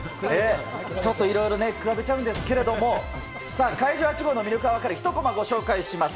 ちょっといろいろね、比べちゃうんですけれども、さあ、怪獣８号の魅力が分かる１コマご紹介します。